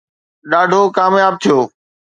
ڏاڍو ڪامياب ٿيو